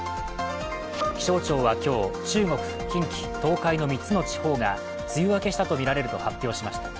気象庁は今日、中国、近畿、東海の３つの地方が梅雨明けしたとみられると発表しました。